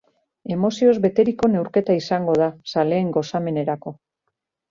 Emozioz beteriko neurketa izango da, zaleen gozamenerako.